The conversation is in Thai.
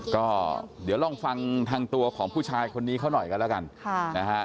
ก็เดี๋ยวลองฟังทางตัวของผู้ชายคนนี้เขาหน่อยกันแล้วกันนะฮะ